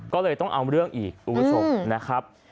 ก็เลยต้องเอาเรื่องอีกอุปสรรคนะครับ